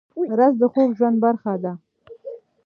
رس د خوږ ژوند برخه ده